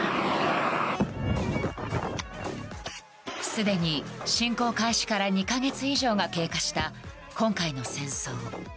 すでに侵攻開始から２か月以上が経過した今回の戦争。